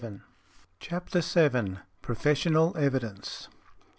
|93| CHAPTER VII. PROFESSIONAL EVIDENCE.